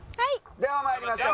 では参りましょう。